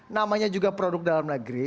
namanya juga produk dalam negeri